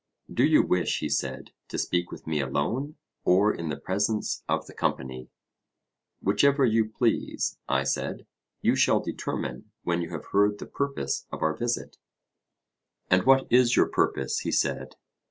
Do you wish, he said, to speak with me alone, or in the presence of the company? Whichever you please, I said; you shall determine when you have heard the purpose of our visit. And what is your purpose? he said.